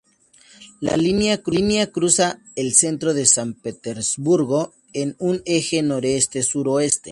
La línea cruza el centro de San Petersburgo en un eje noreste-suroeste.